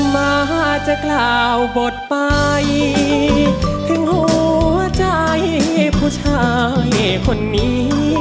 มาจะกล่าวบทไปถึงหัวใจผู้ชายคนนี้